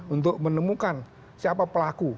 untuk menemukan siapa pelaku